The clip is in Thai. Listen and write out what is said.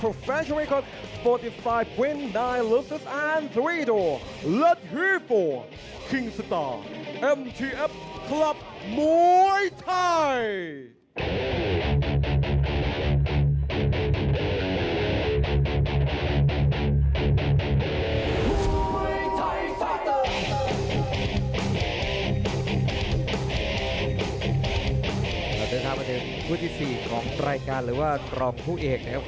เดินทางมาถึงคู่ที่๔ของรายการหรือว่ารองคู่เอกนะครับ